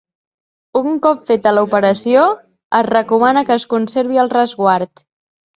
Un cop feta l'operació, es recomana que es conservi el resguard.